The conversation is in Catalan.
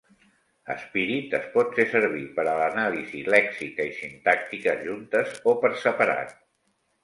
Spirit es pot fer servir per a l'anàlisi lèxica i sintàctica, juntes o per separat.